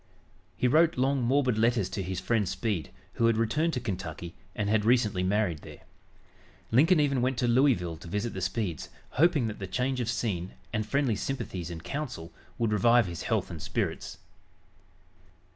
He wrote long, morbid letters to his friend Speed, who had returned to Kentucky, and had recently married there. Lincoln even went to Louisville to visit the Speeds, hoping that the change of scene and friendly sympathies and counsel would revive his health and spirits.